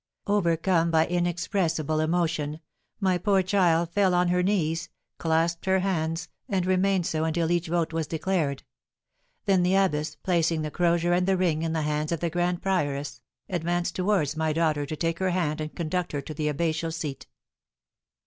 Overcome by inexpressible emotion, my poor child fell on her knees, clasped her hands, and remained so until each vote was declared. Then the abbess, placing the crozier and the ring in the hands of the grand prioress, advanced towards my daughter to take her hand and conduct her to the abbatial seat.